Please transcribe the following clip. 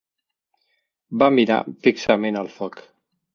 Va mirar fixament el foc.